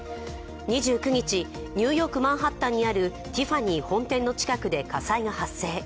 ２９日、ニューヨーク・マンハッタンにあるティファニー本店の近くで、火災が発生。